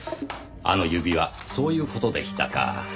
あの指はそういう事でしたか。